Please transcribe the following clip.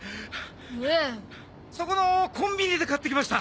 そこのコンビニで買ってきました。